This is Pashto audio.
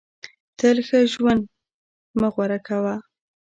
تل ښه ژوند مه غوره کوه.